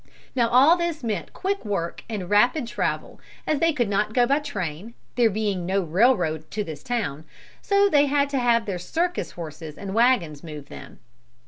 Now all this meant quick work and rapid travel, as they could not go by train, there being no railroad to this town, so they had to have their circus horses and wagons move them.